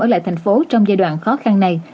ở lại thành phố trong giai đoạn khó khăn này